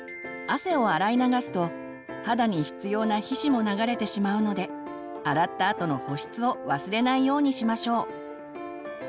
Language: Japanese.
汗を洗い流すと肌に必要な皮脂も流れてしまうので洗ったあとの保湿を忘れないようにしましょう。